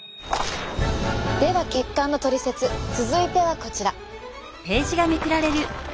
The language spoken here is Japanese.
では血管のトリセツ続いてはこちら。